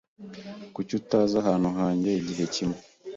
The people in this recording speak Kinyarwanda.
Kuki utaza ahantu hanjye igihe kimwe?